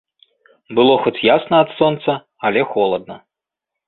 Было хоць ясна ад сонца, але холадна.